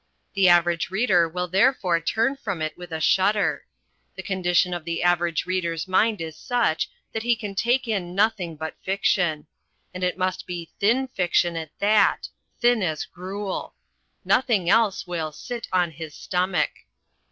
The average reader will therefore turn from it with a shudder. The condition of the average reader's mind is such that he can take in nothing but fiction. And it must be thin fiction at that thin as gruel. Nothing else will "sit on his stomach."